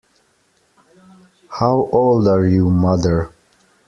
How old are you, mother.